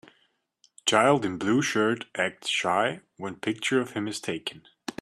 Child in blue shirt acts shy when picture of him is taken.